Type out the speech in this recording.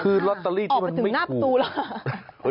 คือลอตเตอรี่ที่มันไม่ถูก